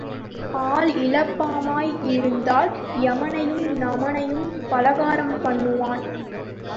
ஆள் இளப்பமாய் இருந்தால் எமனையும் நமனையும் பலகாரம் பண்ணுவான்.